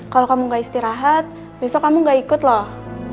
kalau kamu gak istirahat besok kamu gak ikut loh